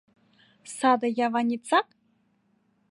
Саде яванецак!